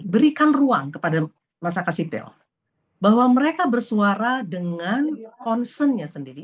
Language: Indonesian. berikan ruang kepada masyarakat sipil bahwa mereka bersuara dengan concernnya sendiri